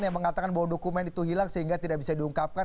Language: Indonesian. yang mengatakan bahwa dokumen itu hilang sehingga tidak bisa diungkapkan